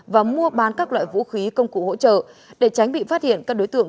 và mua bán các loại vũ khí công cụ hỗ trợ để tránh bị phát hiện các đối tượng